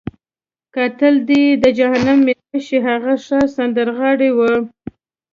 قاتل دې یې د جهنم میلمه شي، هغه ښه سندرغاړی وو.